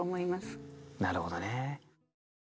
なるほどね。